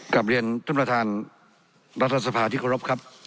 กับเรียนท่วมประธานรัฐสภาที่ขอรับครับ